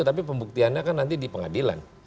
tapi pembuktiannya kan nanti di pengadilan